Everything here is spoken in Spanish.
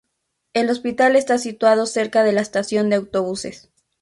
El hospital está situado cerca de la estación de autobuses.